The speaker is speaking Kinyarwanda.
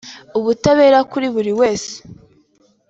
ubutabera kuri buri wese